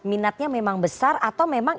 minatnya memang besar atau memang